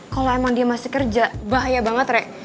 kalo emang dia masih kerja bahaya banget re